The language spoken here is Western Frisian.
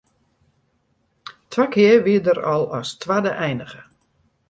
Twa kear wie er al as twadde einige.